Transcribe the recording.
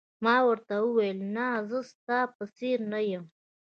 ما ورته وویل: نه، زه ستا په څېر نه یم.